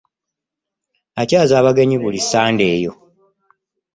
Akyaza abagenyi buli ssande oyo.